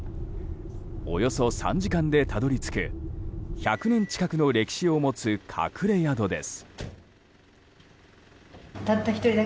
およそ３時間でたどり着く１００年近くの歴史を持つ隠れ宿です。